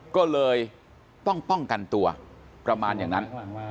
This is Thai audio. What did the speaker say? ก็เลยต้องป้องกันตัวประมาณอย่างนั้น